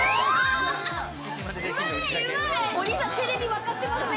お兄さん、ＴＶ分かってますね。